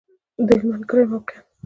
د هلمند کلی موقعیت